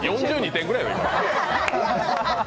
４２点ぐらいや。